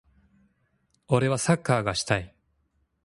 俺はサッカーがしたい。